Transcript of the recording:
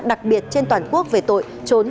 đặc biệt trên toàn quốc về tội trốn